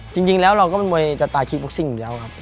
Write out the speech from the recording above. จริงแล้วเราก็เป็นมวยสตาร์คีย์บ็อกซิ่งอยู่แล้วครับ